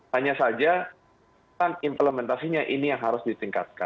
hanya saja implementasinya ini yang harus ditingkatkan